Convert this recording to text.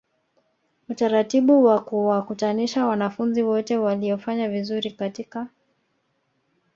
utaratibu wakuwakutanisha wanafunzi wote waliofanya vizuri katika